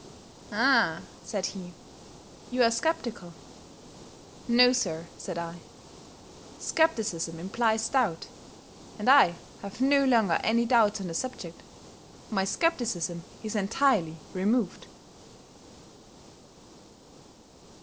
"Ah," said he, "you are skeptical." "No, sir," said I, "skepticism implies doubt, and I have no longer any doubts on the subject. _My skepticism is entirely removed!